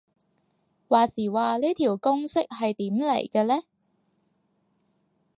話時話呢條公式係點嚟嘅呢